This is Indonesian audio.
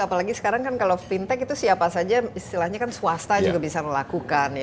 apalagi sekarang kan kalau fintech itu siapa saja istilahnya kan swasta juga bisa melakukan